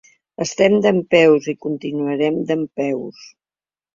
Estem dempeus i continuarem dempeus.